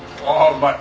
うまい。